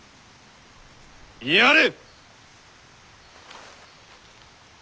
やれ！